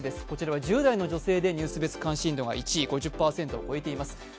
こちらは１０代の女性別でニュース別関心度が１位５０％を越えています。